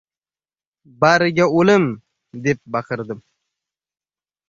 bariga “o‘liiiim” deb baqirdim!